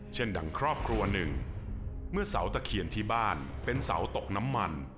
ดังครอบครัวหนึ่งเมื่อเสาตะเคียนที่บ้านเป็นเสาตกน้ำมัน